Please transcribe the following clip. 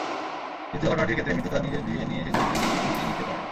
দ্বিতীয় ঘটনাটির ক্ষেত্রে মিতু তাঁর নিজের বিয়ে নিয়ে সিদ্ধান্ত নিজেই নিতে পারেন।